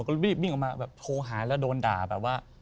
ก็บิ้งออกมาโทรหาโดนด่าแบบว่า